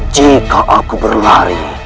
jika aku berlari